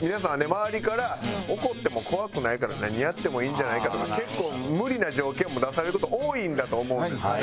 周りから怒っても怖くないから何やってもいいんじゃないかとか結構無理な条件も出される事多いんだと思うんですよね。